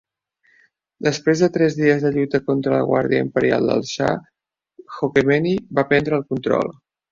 Després de tres dies de lluita contra la guarida imperial del xa, Khomeini va prendre el control.